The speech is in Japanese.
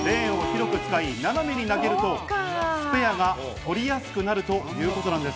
レーンを広く使い、斜めに投げるとスペアが取りやすくなるということなんです。